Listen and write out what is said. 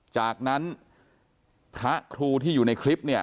จากนั้นพระครูที่อยู่ในคลิปเนี่ย